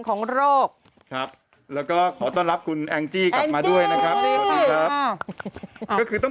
ขอต้อนรับคนอย่างก็คือต้ม